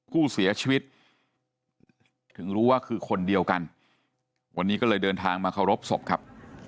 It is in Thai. ผู้เสียชีวิตถึงรู้ว่าคือคนเดียวกันวันนี้ก็เลยเดินทางมาเคารพศพครับ